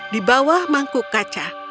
di bawah mangkuk kaca